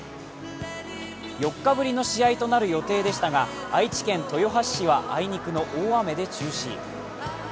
４日ぶりの試合となる予定でしたが愛知県豊橋市はあいにくの大雨で中止。